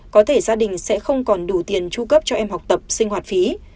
có thể gia đình sẽ không còn đủ tiền tru cấp cho em học tập sinh hoạt phí